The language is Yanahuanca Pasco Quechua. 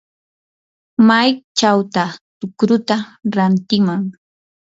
¿maychawtaq tukruta rantiman?